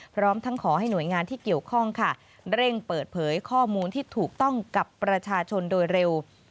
พร้อมทั้งขอให้หน่วยงานที่เกี่ยวข้องค่ะเร่งเปิดเผยข้อมูลที่ถูกต้องกับประชาชนโดยเร็ว